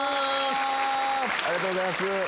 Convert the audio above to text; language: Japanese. ありがとうございます。